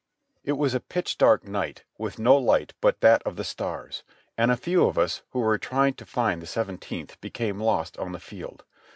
It was a pitch dark night, with no hght but that of the stars, and a few of us who were trying to find the Seventeenth became lost on the field.